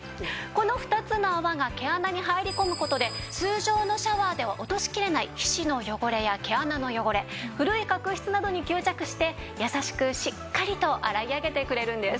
この２つの泡が毛穴に入り込む事で通常のシャワーでは落としきれない皮脂の汚れや毛穴の汚れ古い角質などに吸着してやさしくしっかりと洗い上げてくれるんです。